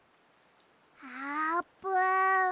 あーぷん。